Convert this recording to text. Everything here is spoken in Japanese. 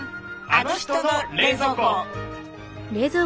あの人の冷蔵庫。